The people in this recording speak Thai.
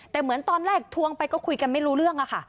แต่เหมือนตอนแรกทวงไปก็คุยกันไม่รู้เรื่องอะค่ะ